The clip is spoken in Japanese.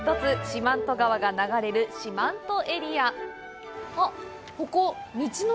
四万十川が流れる四万十エリア。